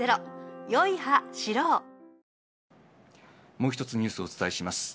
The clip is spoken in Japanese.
もう一つニュースをお伝えします。